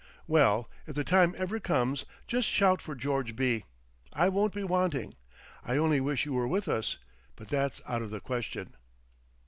"Well, if the time ever comes, just shout for George B. I won't be wanting.... I only wish you were with us; but that's out of the question."